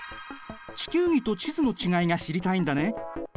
地球儀と地図の違いが知りたいんだね。